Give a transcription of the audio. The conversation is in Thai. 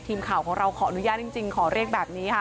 ทีมข่าวของเราขออนุญาตจริงขอเรียกแบบนี้ค่ะ